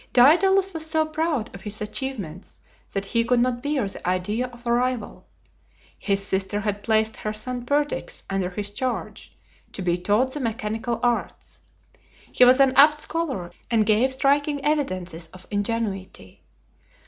Daedalus was so proud of his achievements that he could not bear the idea of a rival. His sister had placed her son Perdix under his charge to be taught the mechanical arts. He was an apt scholar and gave striking evidences of ingenuity.